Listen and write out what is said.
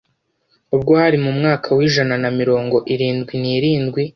ubwo hari mu mwaka w'ijana na mirongo irindwi n'irindwi